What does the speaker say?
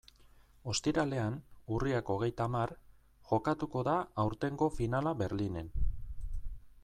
Ostiralean, urriak hogeita hamar, jokatuko da aurtengo finala Berlinen.